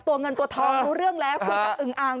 เงินตัวทองรู้เรื่องแล้วคุยกับอึงอ่าง